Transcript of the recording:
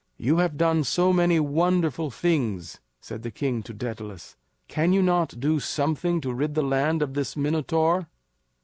"You have done so many wonderful things," said the king to Daedalus, "can you not do something to rid the land of this Minotaur?"